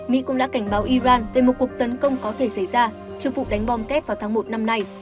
mỹ cũng đã cảnh báo iran về một cuộc tấn công có thể xảy ra trừ vụ đánh bom kép vào tháng một năm nay